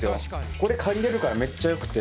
これ借りれるからめっちゃ良くて。